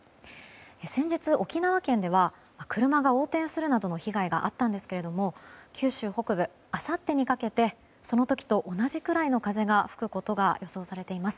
先日、沖縄県では車が横転するなどの被害があったんですけど九州北部、あさってにかけてその時と同じくらいの風が吹くことが予想されています。